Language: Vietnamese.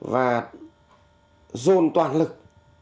và dồn toàn lực